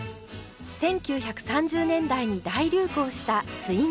１９３０年代に大流行したスイングジャズ。